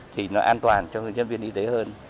thì nó an toàn cho nhân viên y tế hơn